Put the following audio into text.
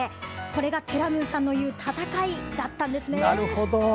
これがてらぬさんの言う戦いだったんですね。